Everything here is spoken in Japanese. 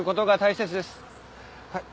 はい。